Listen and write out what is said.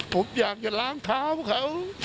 ผมอยากจะล้างเท้าเขา